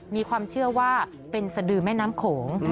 มีความเชื่อว่าเป็นสดือแม่น้ำโขง